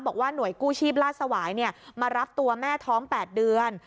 บอกว่าหน่วยกู้ชีพลาดสวายมารับตัวแม่ท้อง๘เดือน